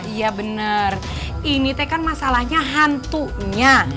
iya benar ini teh kan masalahnya hantunya